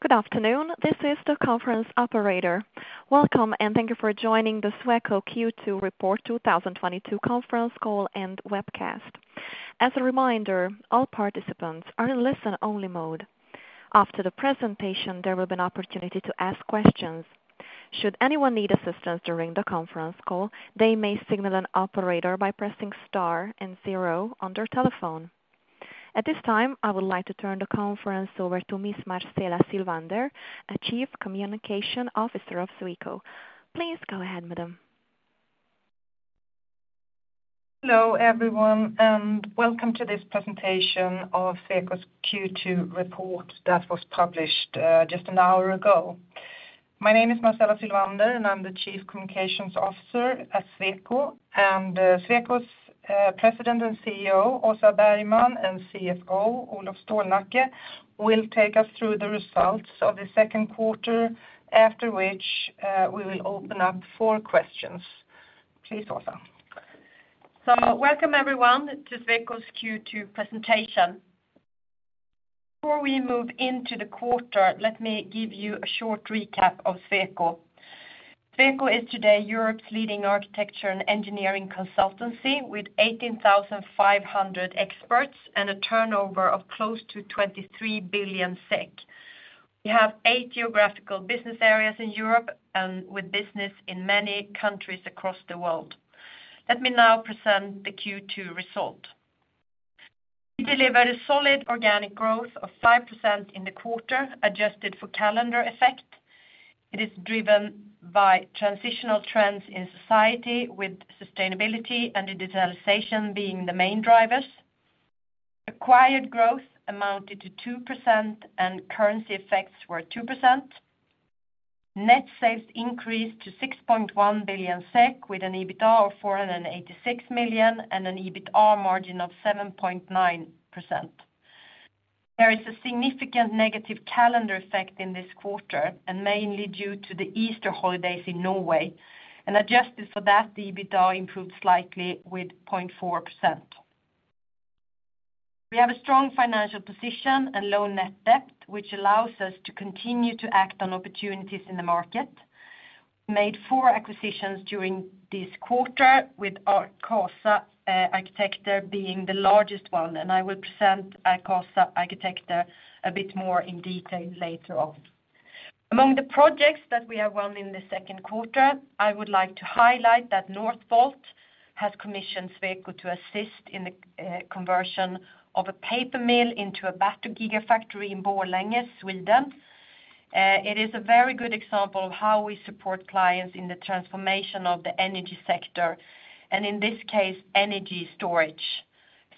Good afternoon. This is the conference operator. Welcome, and thank you for joining the Sweco Q2 Report 2022 conference call and webcast. As a reminder, all participants are in listen-only mode. After the presentation, there will be an opportunity to ask questions. Should anyone need assistance during the conference call, they may signal an operator by pressing star and zero on their telephone. At this time, I would like to turn the conference over to Miss Marcela Sylvander, Chief Communication Officer of Sweco. Please go ahead, madam. Hello, everyone, and welcome to this presentation of Sweco's Q2 report that was published just an hour ago. My name is Marcela Sylvander, and I'm the Chief Communications Officer at Sweco. Sweco's President and CEO, Åsa Bergman, and CFO, Olof Stålnacke, will take us through the results of the second quarter, after which we will open up for questions. Please, Åsa. Welcome, everyone, to Sweco's Q2 presentation. Before we move into the quarter, let me give you a short recap of Sweco. Sweco is today Europe's leading architecture and engineering consultancy with 18,500 experts and a turnover of close to 23 billion SEK. We have eight geographical business areas in Europe and with business in many countries across the world. Let me now present the Q2 result. We delivered a solid organic growth of 5% in the quarter, adjusted for calendar effect. It is driven by transformational trends in society with sustainability and digitalization being the main drivers. Acquired growth amounted to 2% and currency effects were 2%. Net sales increased to 6.1 billion SEK, with an EBITDA of 486 million and an EBITA margin of 7.9%. There is a significant negative calendar effect in this quarter, and mainly due to the Easter holidays in Norway. Adjusted for that, the EBITDA improved slightly with 0.4%. We have a strong financial position and low net debt, which allows us to continue to act on opportunities in the market. Made four acquisitions during this quarter with Arcasa Arkitekter being the largest one, and I will present Arcasa Arkitekter a bit more in detail later on. Among the projects that we have won in the second quarter, I would like to highlight that Northvolt has commissioned Sweco to assist in the conversion of a paper mill into a battery gigafactory in Borlänge, Sweden. It is a very good example of how we support clients in the transformation of the energy sector, and in this case, energy storage.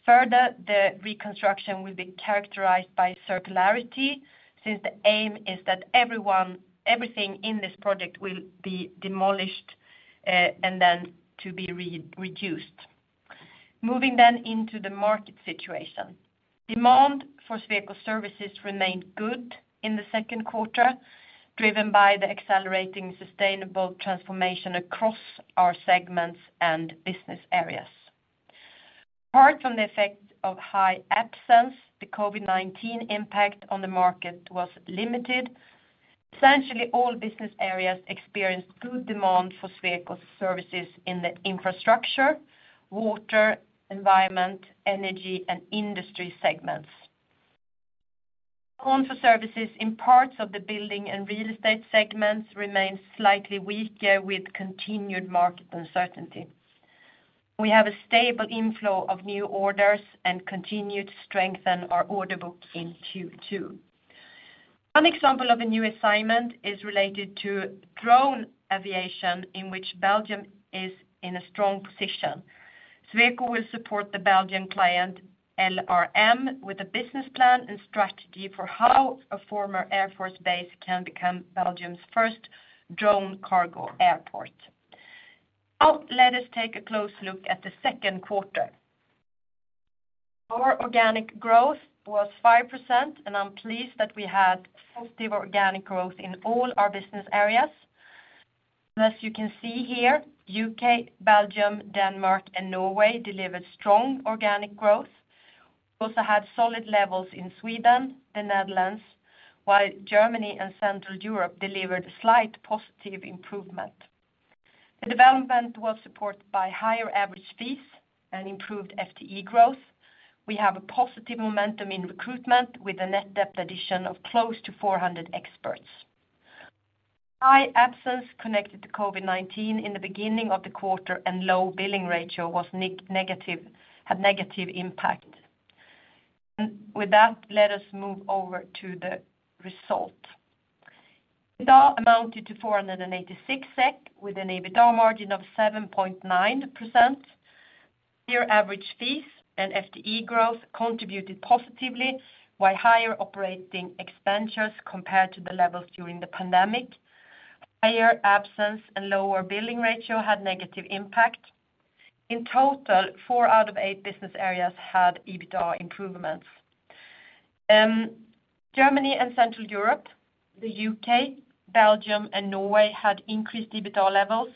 Further, the reconstruction will be characterized by circularity, since the aim is that everything in this project will be demolished, and then to be reused. Moving into the market situation. Demand for Sweco services remained good in the second quarter, driven by the accelerating sustainable transformation across our segments and business areas. Apart from the effect of high absence, the COVID-19 impact on the market was limited. Essentially all business areas experienced good demand for Sweco services in the infrastructure, water, environment, energy, and industry segments. Demand for services in parts of the building and real estate segments remained slightly weaker with continued market uncertainty. We have a stable inflow of new orders and continued to strengthen our order book in Q2. One example of a new assignment is related to drone aviation, in which Belgium is in a strong position. Sweco will support the Belgian client LRM with a business plan and strategy for how a former Air Force base can become Belgium's first drone cargo airport. Now, let us take a close look at the second quarter. Our organic growth was 5%, and I'm pleased that we had positive organic growth in all our business areas. As you can see here, U.K., Belgium, Denmark, and Norway delivered strong organic growth. Also had solid levels in Sweden and Netherlands, while Germany and Central Europe delivered a slight positive improvement. The development was supported by higher average fees and improved FTE growth. We have a positive momentum in recruitment with a net head addition of close to 400 experts. High absence connected to COVID-19 in the beginning of the quarter and low billing ratio had negative impact. With that, let us move over to the result. EBITDA amounted to 486 SEK with an EBITDA margin of 7.9%. Year average fees and FTE growth contributed positively, while higher operating expenditures compared to the levels during the pandemic, higher absence and lower billing ratio had negative impact. In total, four out of eight business areas had EBITDA improvements. Germany and Central Europe, the U.K., Belgium and Norway had increased EBITDA levels,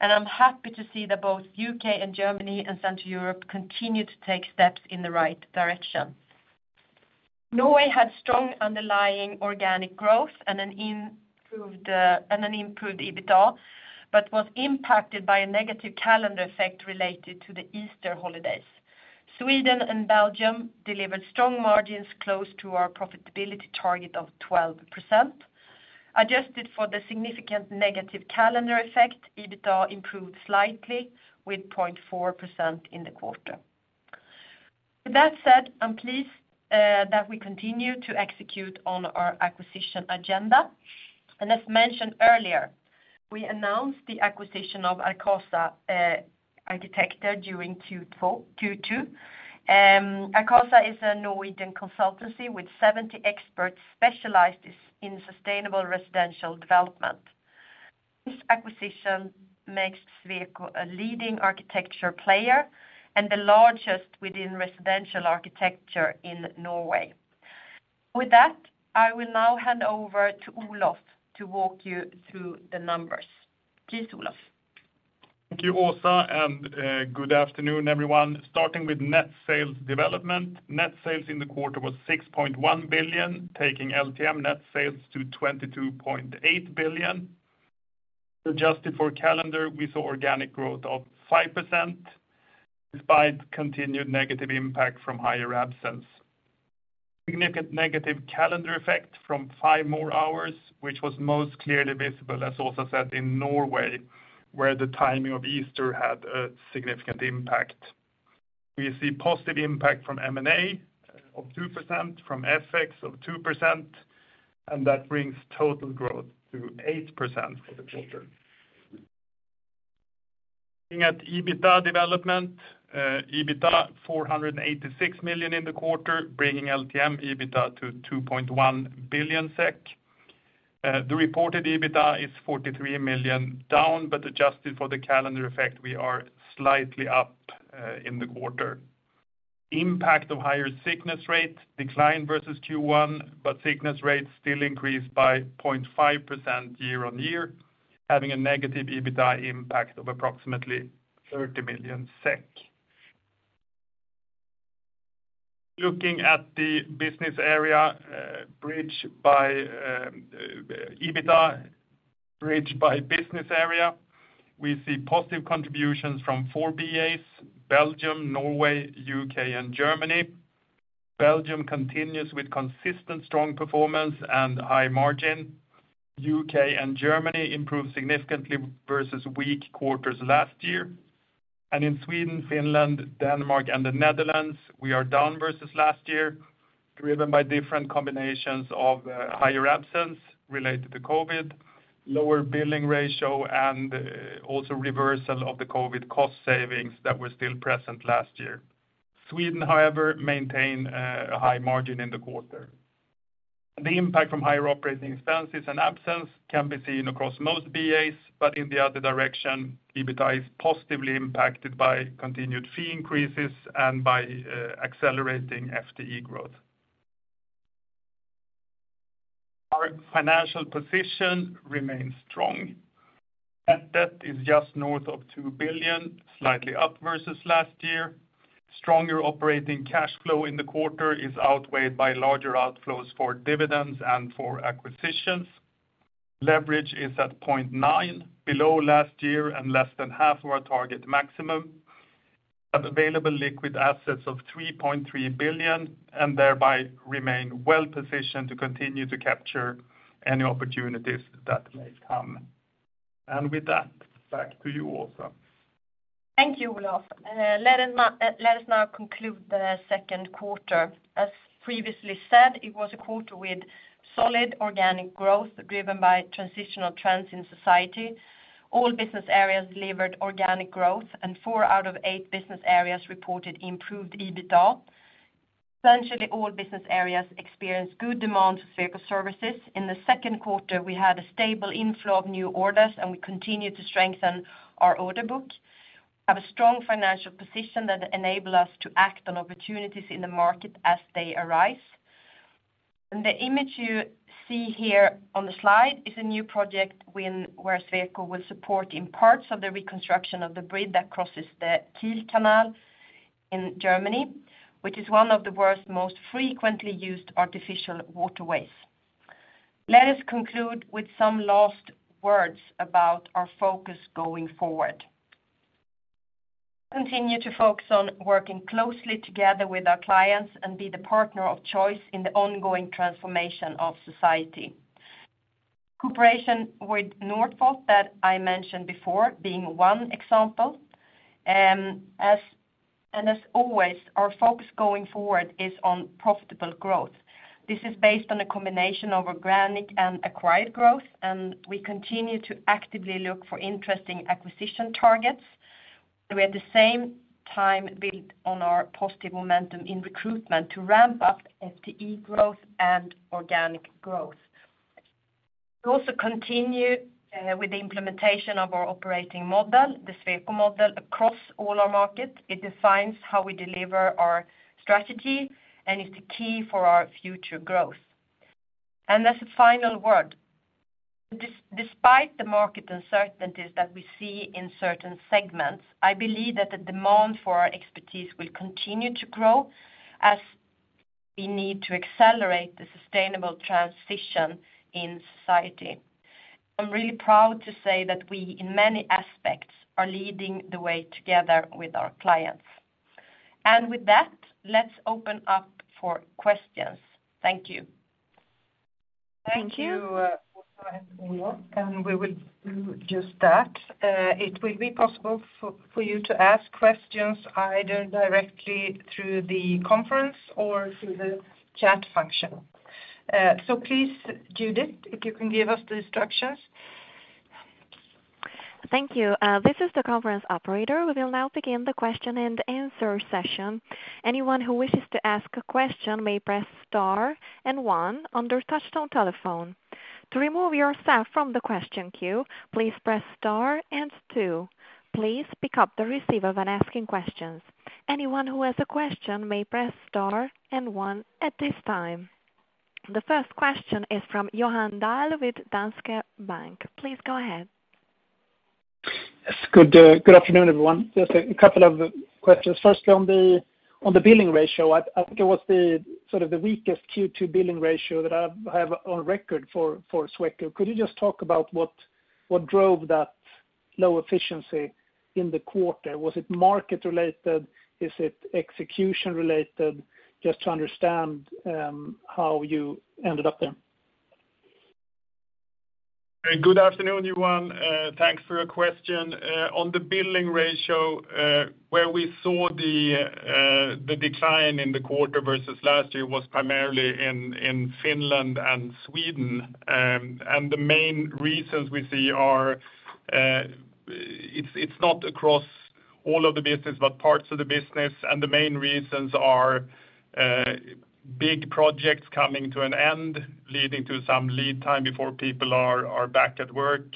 and I'm happy to see that both U.K. and Germany and Central Europe continue to take steps in the right direction. Norway had strong underlying organic growth and an improved EBITDA, but was impacted by a negative calendar effect related to the Easter holidays. Sweden and Belgium delivered strong margins close to our profitability target of 12%. Adjusted for the significant negative calendar effect, EBITDA improved slightly with 0.4% in the quarter. With that said, I'm pleased that we continue to execute on our acquisition agenda. As mentioned earlier, we announced the acquisition of Arcasa Arkitekter during Q2. Arcasa Arkitekter is a Norwegian consultancy with 70 experts specialized in sustainable residential development. This acquisition makes Sweco a leading architecture player and the largest within residential architecture in Norway. With that, I will now hand over to Olof to walk you through the numbers. Please, Olof. Thank you, Åsa, and good afternoon, everyone. Starting with net sales development. Net sales in the quarter was 6.1 billion, taking LTM net sales to 22.8 billion. Adjusted for calendar, we saw organic growth of 5% despite continued negative impact from higher absence. Significant negative calendar effect from five more hours, which was most clearly visible, as also said in Norway, where the timing of Easter had a significant impact. We see positive impact from M and A of 2%, from FX of 2%, and that brings total growth to 8% for the quarter. Looking at EBITDA development, EBITDA 486 million in the quarter, bringing LTM EBITDA to 2.1 billion SEK. The reported EBITDA is 43 million down, but adjusted for the calendar effect, we are slightly up in the quarter. Impact of higher sickness rate declined versus Q1, but sickness rates still increased by 0.5% year-on-year, having a negative EBITDA impact of approximately SEK 30 million. Looking at the EBITDA bridge by business area, we see positive contributions from four BAs, Belgium, Norway, U.K., and Germany. Belgium continues with consistent strong performance and high margin. U.K. and Germany improve significantly versus weak quarters last year. In Sweden, Finland, Denmark, and the Netherlands, we are down versus last year, driven by different combinations of higher absence related to COVID, lower billing ratio, and also reversal of the COVID cost savings that were still present last year. Sweden, however, maintain a high margin in the quarter. The impact from higher operating expenses and absence can be seen across most BAs, but in the other direction, EBITDA is positively impacted by continued fee increases and by accelerating FTE growth. Our financial position remains strong. Net debt is just north of 2 billion, slightly up versus last year. Stronger operating cash flow in the quarter is outweighed by larger outflows for dividends and for acquisitions. Leverage is at 0.9, below last year and less than half of our target maximum. Have available liquid assets of 3.3 billion, and thereby remain well-positioned to continue to capture any opportunities that may come. With that, back to you, Åsa. Thank you, Olof. Let us now conclude the second quarter. As previously said, it was a quarter with solid organic growth driven by transitional trends in society. All business areas delivered organic growth, and four out of eight business areas reported improved EBITDA. Essentially all business areas experienced good demand for Sweco services. In the second quarter, we had a stable inflow of new orders, and we continued to strengthen our order book. We have a strong financial position that enables us to act on opportunities in the market as they arise. The image you see here on the slide is a new project where Sweco will support in parts of the reconstruction of the bridge that crosses the Kiel Canal in Germany, which is one of the world's most frequently used artificial waterways. Let us conclude with some last words about our focus going forward. Continue to focus on working closely together with our clients and be the partner of choice in the ongoing transformation of society. Cooperation with Northvolt that I mentioned before being one example. As always, our focus going forward is on profitable growth. This is based on a combination of organic and acquired growth, and we continue to actively look for interesting acquisition targets. We at the same time build on our positive momentum in recruitment to ramp up FTE growth and organic growth. We also continue with the implementation of our operating model, the Sweco Model, across all our markets. It defines how we deliver our strategy and is the key for our future growth. Despite the market uncertainties that we see in certain segments, I believe that the demand for our expertise will continue to grow as we need to accelerate the sustainable transition in society. I'm really proud to say that we, in many aspects, are leading the way together with our clients. With that, let's open up for questions. Thank you. Thank you, Åsa and Olof, and we will do just that. It will be possible for you to ask questions either directly through the conference or through the chat function. Please, Judith, if you can give us the instructions. Thank you. This is the conference operator. We will now begin the question and answer session. Anyone who wishes to ask a question may press star and one on their touchtone telephone. To remove yourself from the question queue, please press star and two. Please pick up the receiver when asking questions. Anyone who has a question may press star and one at this time. The first question is from Johan Dahl with Danske Bank. Please go ahead. Yes. Good afternoon, everyone. Just a couple of questions. Firstly, on the billing ratio, I think it was sort of the weakest Q2 billing ratio that I have on record for Sweco. Could you just talk about what drove that low efficiency in the quarter? Was it market related? Is it execution related? Just to understand how you ended up there. Good afternoon, Johan. Thanks for your question. On the billing ratio, where we saw the decline in the quarter versus last year was primarily in Finland and Sweden. The main reasons we see are, it's not across all of the business, but parts of the business. The main reasons are big projects coming to an end, leading to some lead time before people are back at work,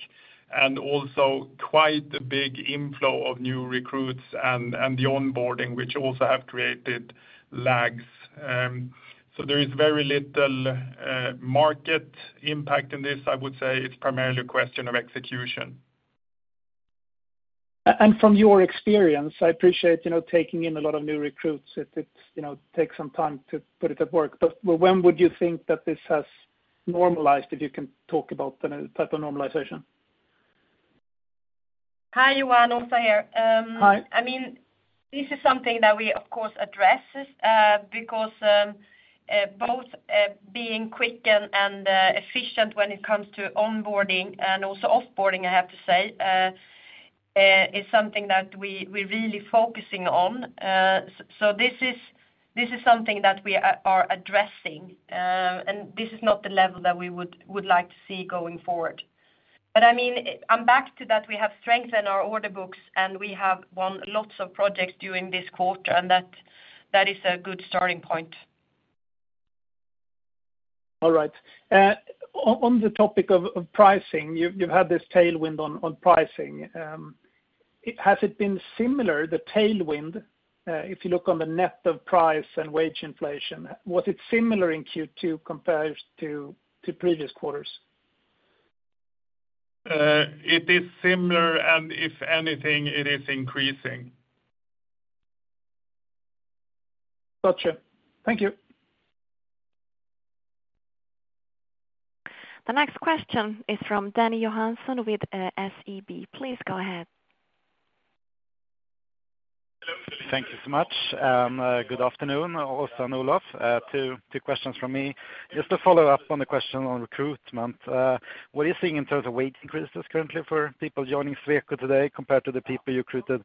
and also quite a big inflow of new recruits and the onboarding, which also have created lags. There is very little market impact in this. I would say it's primarily a question of execution. From your experience, I appreciate, you know, taking in a lot of new recruits. It, you know, takes some time to put them to work. When would you think that this has normalized, if you can talk about the type of normalization? Hi, Johan. Åsa here. Hi. I mean, this is something that we of course address, because both being quick and efficient when it comes to onboarding and also offboarding, I have to say, is something that we're really focusing on. So this is something that we are addressing, and this is not the level that we would like to see going forward. I mean, and back to that, we have strengthened our order books, and we have won lots of projects during this quarter, and that is a good starting point. All right. On the topic of pricing, you've had this tailwind on pricing. Has it been similar, the tailwind, if you look net of price and wage inflation? Was it similar in Q2 compared to previous quarters? It is similar, and if anything, it is increasing. Gotcha. Thank you. The next question is from Dan Johansson with SEB. Please go ahead. Thank you so much. Good afternoon, Åsa and Olof. Two questions from me. Just to follow up on the question on recruitment, what are you seeing in terms of wage increases currently for people joining Sweco today compared to the people you recruited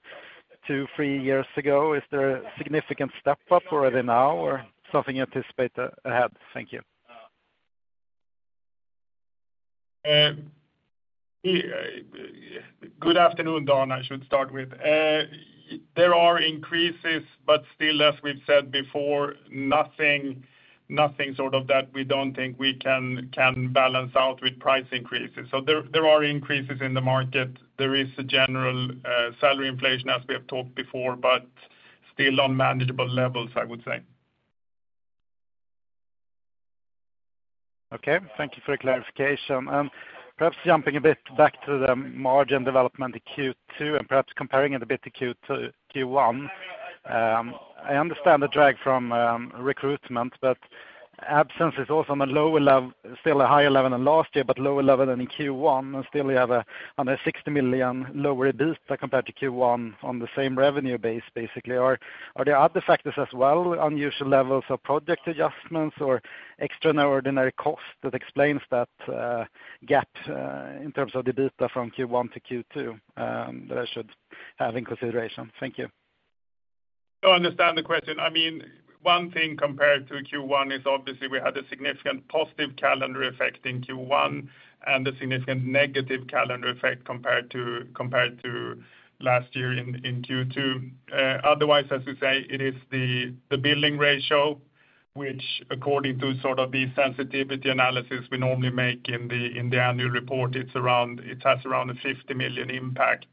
two, three years ago? Is there a significant step up already now or something you anticipate ahead? Thank you. Good afternoon, Dan. I should start with. There are increases, but still, as we've said before, nothing sort of that we don't think we can balance out with price increases. There are increases in the market. There is a general salary inflation as we have talked before, but still on manageable levels, I would say. Okay. Thank you for the clarification. Perhaps jumping a bit back to the margin development in Q2 and perhaps comparing it a bit to Q2-Q1, I understand the drag from recruitment, but absence is also still a higher level than last year, but lower level than in Q1, and still you have a 60 million lower EBITDA compared to Q1 on the same revenue base, basically. Are there other factors as well, unusual levels of project adjustments or extraordinary costs that explains that gap in terms of EBITDA from Q1 to Q2 that I should have in consideration? Thank you. No, I understand the question. I mean, one thing compared to Q1 is obviously we had a significant positive calendar effect in Q1 and a significant negative calendar effect compared to last year in Q2. Otherwise, as we say, it is the billing ratio, which according to sort of the sensitivity analysis we normally make in the annual report, it has around a 50 million impact.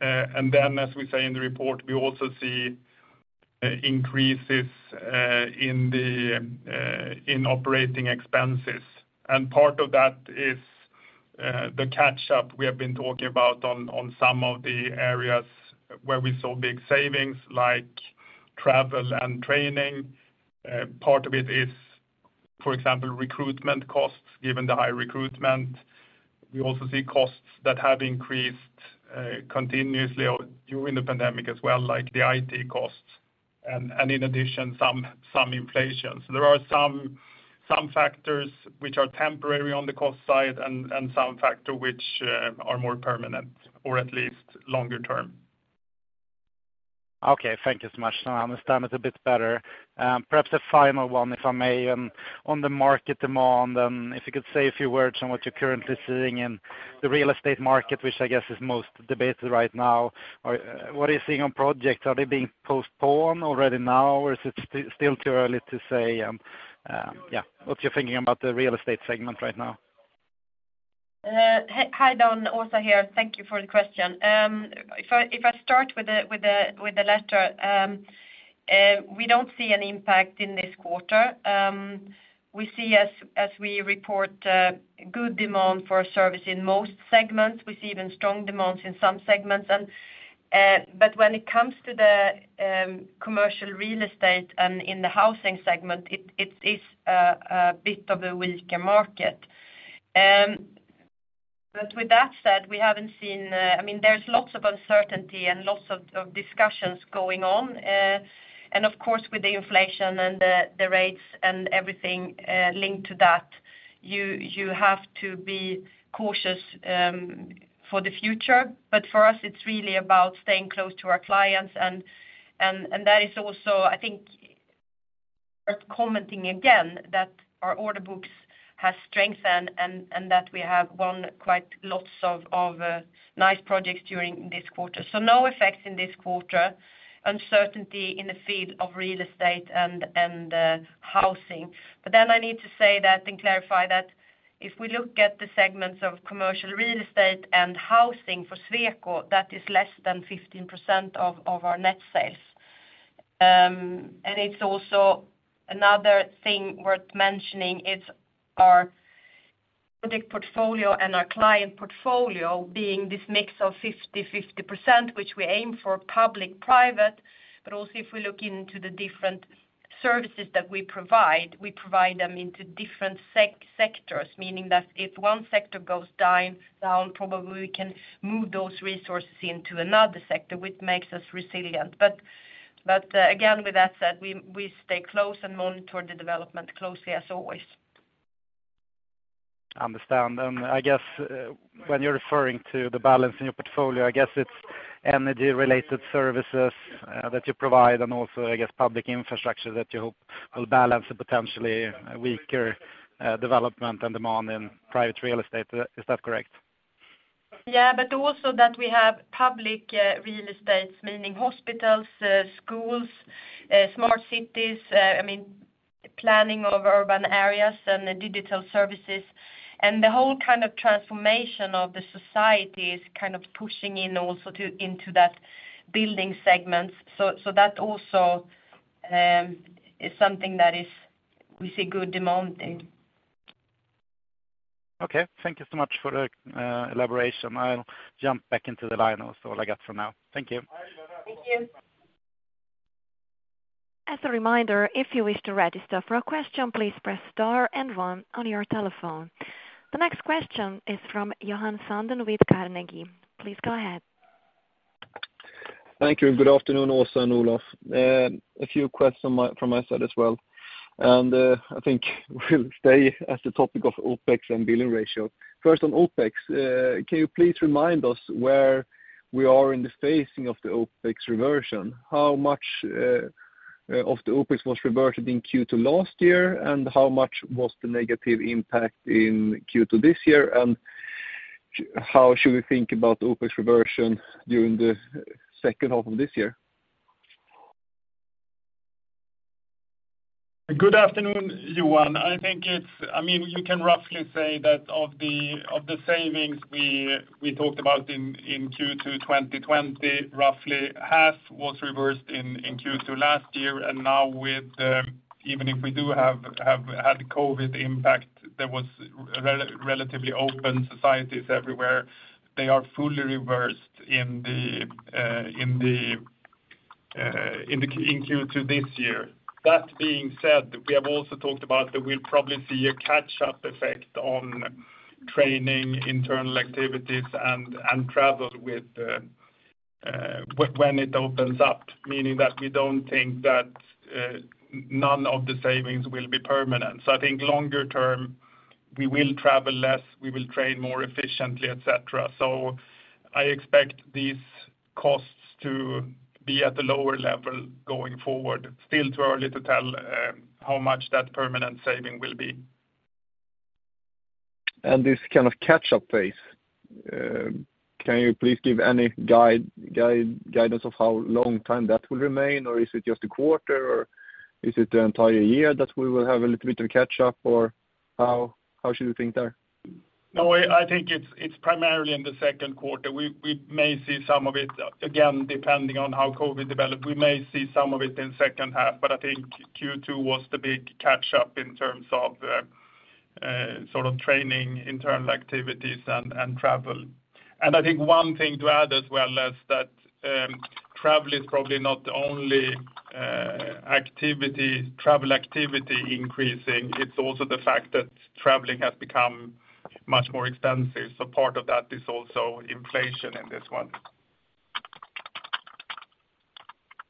Then as we say in the report, we also see increases in operating expenses. Part of that is the catch-up we have been talking about on some of the areas where we saw big savings, like travel and training. Part of it is, for example, recruitment costs, given the high recruitment. We also see costs that have increased continuously during the pandemic as well, like the IT costs and in addition, some inflation. There are some factors which are temporary on the cost side and some factors which are more permanent or at least longer term. Okay, thank you so much. Now I understand it a bit better. Perhaps a final one, if I may. On the market demand, if you could say a few words on what you're currently seeing in the real estate market, which I guess is most debated right now. What are you seeing on projects? Are they being postponed already now, or is it still too early to say? What's your thinking about the real estate segment right now? Hi, Dan. Åsa here. Thank you for the question. If I start with the latter, we don't see an impact in this quarter. We see as we report good demand for our service in most segments. We see even strong demands in some segments. But when it comes to the commercial real estate and in the housing segment, it is a bit of a weaker market. But with that said, we haven't seen. I mean, there's lots of uncertainty and lots of discussions going on. And of course, with the inflation and the rates and everything linked to that, you have to be cautious for the future. For us, it's really about staying close to our clients, and that is also, I think, worth commenting again that our order books has strengthened and that we have won quite lots of nice projects during this quarter. No effects in this quarter. Uncertainty in the field of real estate and housing. I need to say that and clarify that if we look at the segments of commercial real estate and housing for Sweco, that is less than 15% of our net sales. It's also another thing worth mentioning is our project portfolio and our client portfolio being this mix of 50/50%, which we aim for public/private. Also if we look into the different services that we provide, we provide them into different sectors, meaning that if one sector goes down, probably we can move those resources into another sector, which makes us resilient. But again, with that said, we stay close and monitor the development closely as always. Understand. I guess, when you're referring to the balance in your portfolio, I guess it's energy-related services that you provide and also, I guess, public infrastructure that you hope will balance a potentially weaker development and demand in private real estate. Is that correct? Yeah, but also that we have public real estate, meaning hospitals, schools, smart cities, I mean, planning of urban areas and digital services. The whole kind of transformation of the society is kind of pushing also into that building segments. That also is something that we see good demand in. Okay. Thank you so much for the elaboration. I'll jump back into the line also. All I got for now. Thank you. Thank you. As a reminder, if you wish to register for a question, please press star and one on your telephone. The next question is from Johan Sundén with Carnegie. Please go ahead. Thank you, and good afternoon, Åsa and Olof. A few questions from my side as well. I think we'll stay at the topic of OpEx and billing ratio. First on OpEx, can you please remind us where we are in the phasing of the OpEx reversion? How much of the OpEx was reverted in Q2 last year? How much was the negative impact in Q2 this year? How should we think about OpEx reversion during the second half of this year? Good afternoon, Johan. I think you can roughly say that of the savings we talked about in Q2 2020, roughly half was reversed in Q2 last year. Now with even if we do have had COVID impact, there was relatively open societies everywhere. They are fully reversed in Q2 this year. That being said, we have also talked about that we'll probably see a catch-up effect on training, internal activities, and travel when it opens up, meaning that we don't think that none of the savings will be permanent. I think longer term, we will travel less, we will train more efficiently, et cetera. I expect these costs to be at a lower level going forward. Still too early to tell, how much that permanent saving will be. This kind of catch-up phase, can you please give any guidance of how long time that will remain? Or is it just a quarter, or is it the entire year that we will have a little bit of catch-up or how should you think there? No, I think it's primarily in the second quarter. We may see some of it, again, depending on how COVID develops, we may see some of it in second half, but I think Q2 was the big catch-up in terms of sort of training, internal activities and travel. I think one thing to add as well is that travel is probably not the only activity, travel activity increasing. It's also the fact that traveling has become much more expensive. Part of that is also inflation in this one.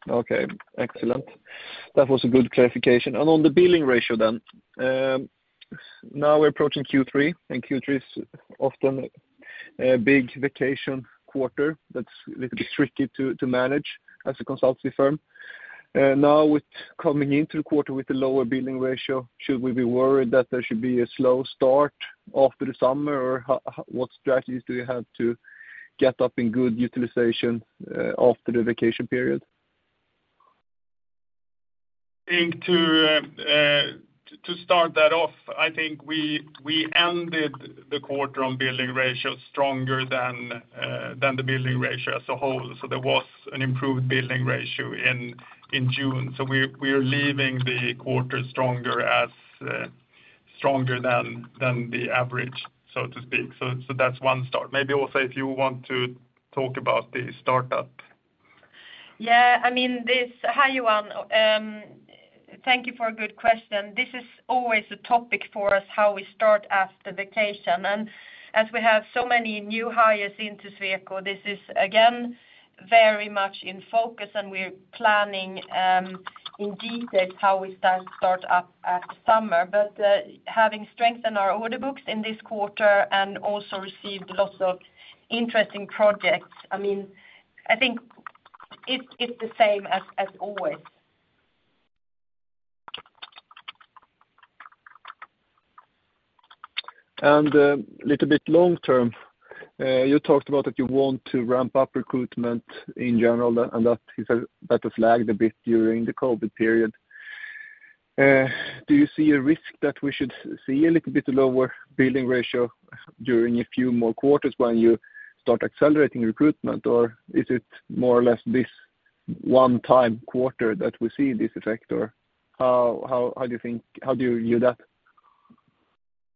Okay. Excellent. That was a good clarification. On the billing ratio then, now we're approaching Q3, and Q3 is often a big vacation quarter that's a little bit tricky to manage as a consultancy firm. Now with coming into the quarter with a lower billing ratio, should we be worried that there should be a slow start after the summer? Or what strategies do you have to get up in good utilization after the vacation period? I think to start that off, I think we ended the quarter on billing ratio stronger than the billing ratio as a whole. There was an improved billing ratio in June. We are leaving the quarter stronger than the average, so to speak. That's one start. Maybe Åsa, if you want to talk about the startup. I mean, Hi, Johan. Thank you for a good question. This is always a topic for us, how we start after vacation. As we have so many new hires into Sweco, this is again very much in focus and we're planning in detail how we start up after summer. Having strengthened our order books in this quarter and also received lots of interesting projects, I mean, I think it's the same as always. A little bit long term, you talked about that you want to ramp up recruitment in general and that has lagged a bit during the COVID period. Do you see a risk that we should see a little bit lower billing ratio during a few more quarters when you start accelerating recruitment? Or is it more or less this one time quarter that we see this effect or how do you think, how do you view that?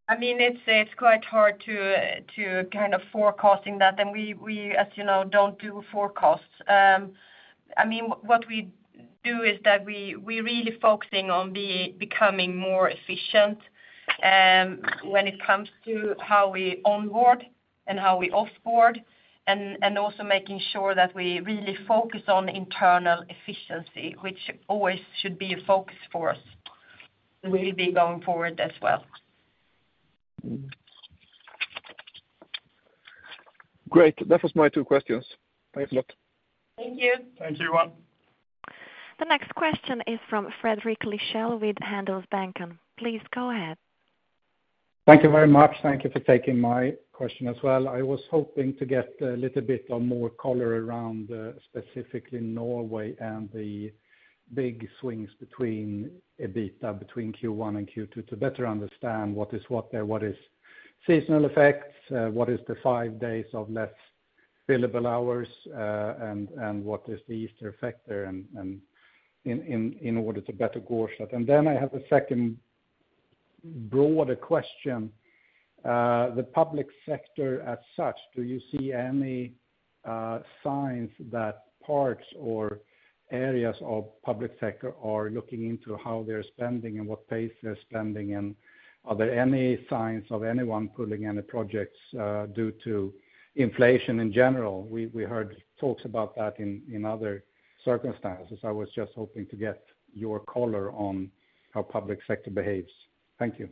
I mean, it's quite hard to kind of forecast that, and we, as you know, don't do forecasts. I mean, what we do is that we're really focusing on becoming more efficient when it comes to how we onboard and how we offboard and also making sure that we really focus on internal efficiency, which always should be a focus for us, will be going forward as well. Great. That was my two questions. Thanks a lot. Thank you. Thanks, Johan. The next question is from Fredrik Lithell with Handelsbanken. Please go ahead. Thank you very much. Thank you for taking my question as well. I was hoping to get a little bit of more color around, specifically Norway and the big swings between EBITDA between Q1 and Q2 to better understand what is what there, what is seasonal effects, what is the five days of less billable hours, and what is the Easter effect there and in order to better gauge that. I have a second broader question. The public sector as such, do you see any signs that parts or areas of public sector are looking into how they're spending and what pace they're spending in? Are there any signs of anyone pulling any projects due to inflation in general? We heard talks about that in other circumstances. I was just hoping to get your color on how public sector behaves. Thank you.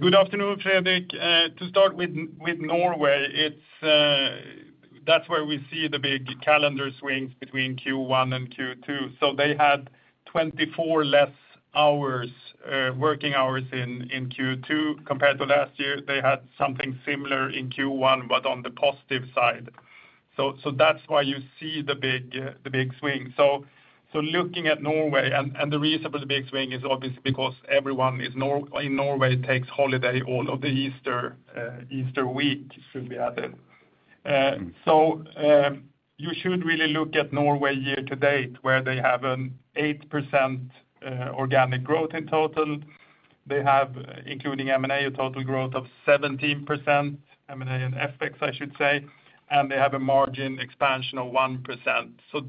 Good afternoon, Fredrik. To start with Norway, that's where we see the big calendar swings between Q1 and Q2. They had 24 less working hours in Q2 compared to last year. They had something similar in Q1, but on the positive side. That's why you see the big swing. Looking at Norway, the reason for the big swing is obviously because everyone in Norway takes holiday all of the Easter week, should be added. You should really look at Norway year to date, where they have 8% organic growth in total. They have, including M and A, a total growth of 17%, M snd A and FX, I should say, and they have a margin expansion of 1%.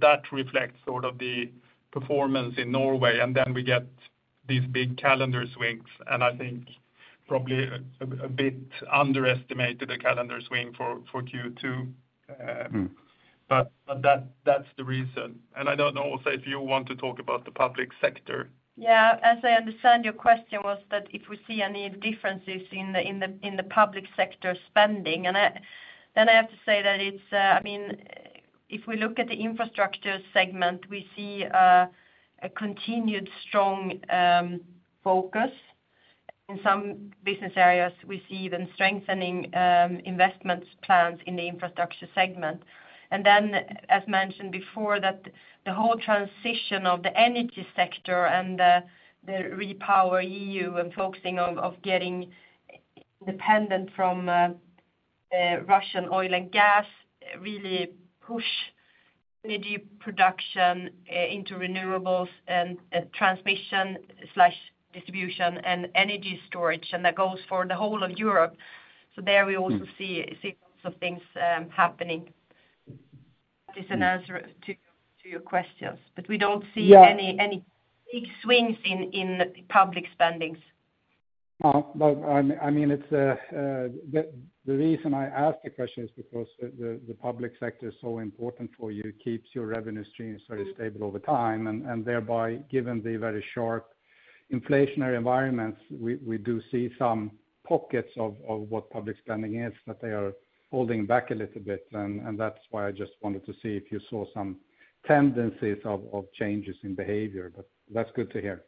That reflects sort of the performance in Norway. We get these big calendar swings, and I think probably a bit underestimated the calendar swing for Q2. But that's the reason. I don't know, Åsa, if you want to talk about the public sector. Yeah. As I understand, your question was that if we see any differences in the public sector spending. I have to say that it's, I mean, if we look at the infrastructure segment, we see a continued strong focus. In some business areas, we see even strengthening investment plans in the infrastructure segment. As mentioned before, the whole transition of the energy sector and the REPowerEU and focusing of getting independent from Russian oil and gas really push energy production into renewables and transmission/distribution and energy storage, and that goes for the whole of Europe. There we also see lots of things happening. That is an answer to your questions. We don't see any- Yeah. Any big swings in the public spending? No, but I mean, it's the reason I ask the question is because the public sector is so important for you, it keeps your revenue streams very stable over time. Thereby, given the very sharp inflationary environments, we do see some pockets of what public spending is that they are holding back a little bit, and that's why I just wanted to see if you saw some tendencies of changes in behavior. That's good to hear.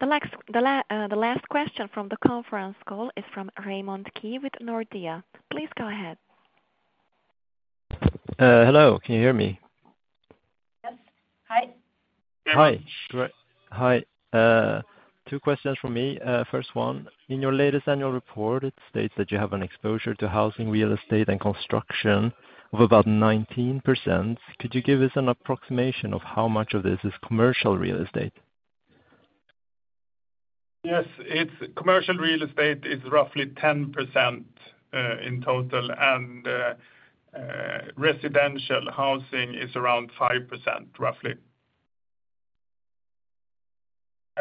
No. The last question from the conference call is from Raymond Ke with Nordea. Please go ahead. Hello. Can you hear me? Yes. Hi. Hi. Great. Hi. Two questions from me. First one, in your latest annual report, it states that you have an exposure to housing, real estate, and construction of about 19%. Could you give us an approximation of how much of this is commercial real estate? Yes. It's commercial real estate is roughly 10% in total, and residential housing is around 5%, roughly.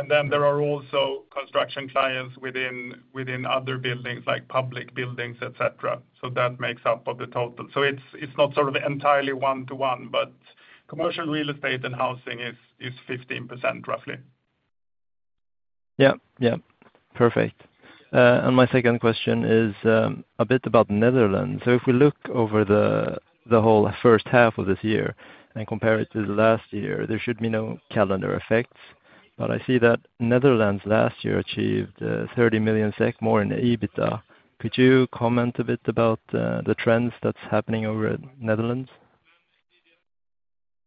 There are also construction clients within other buildings, like public buildings, et cetera, so that makes up of the total. It's not sort of entirely one-to-one, but commercial real estate and housing is 15%, roughly. Yeah. Yeah. Perfect. My second question is a bit about Netherlands. If we look over the whole first half of this year and compare it to the last year, there should be no calendar effects. I see that Netherlands last year achieved 30 million SEK more in the EBITDA. Could you comment a bit about the trends that's happening over in Netherlands?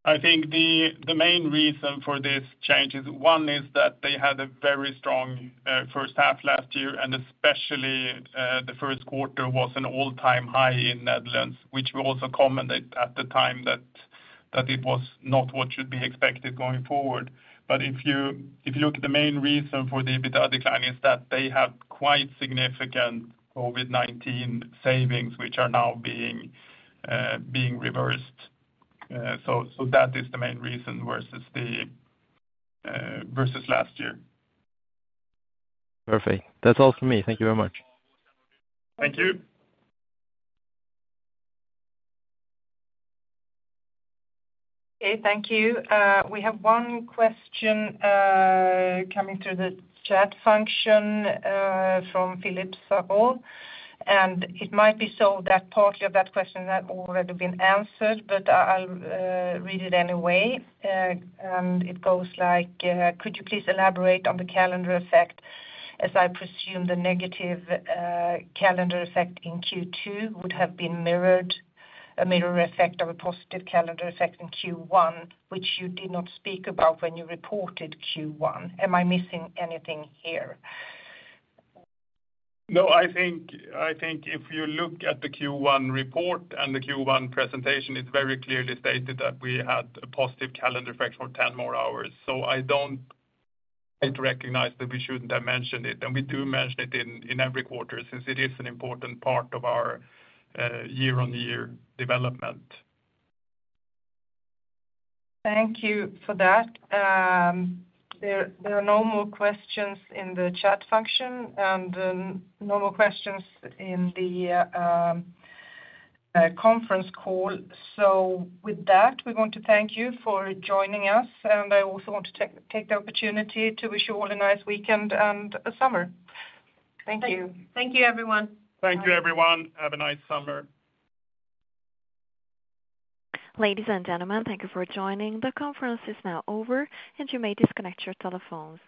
I think the main reason for this change is that they had a very strong first half last year, and especially the first quarter was an all-time high in Netherlands, which we also commented at the time that it was not what should be expected going forward. If you look at the main reason for the EBITDA decline is that they have quite significant COVID-19 savings, which are now being reversed. That is the main reason versus last year. Perfect. That's all for me. Thank you very much. Thank you. Okay. Thank you. We have one question coming through the chat function from Pau Vidal. It might be so that part of that question had already been answered, but I'll read it anyway. It goes like, "Could you please elaborate on the calendar effect, as I presume the negative calendar effect in Q2 would have been mirrored, a mirror effect of a positive calendar effect in Q1, which you did not speak about when you reported Q1. Am I missing anything here? No, I think if you look at the Q1 report and the Q1 presentation, it's very clearly stated that we had a positive calendar effect for 10 more hours. I don't recognize that we shouldn't have mentioned it, and we do mention it in every quarter, since it is an important part of our year-on-year development. Thank you for that. There are no more questions in the chat function and no more questions in the conference call. With that, we want to thank you for joining us, and I also want to take the opportunity to wish you all a nice weekend and a summer. Thank you. Thank you, everyone. Thank you, everyone. Have a nice summer. Ladies and gentlemen, thank you for joining. The conference is now over, and you may disconnect your telephones.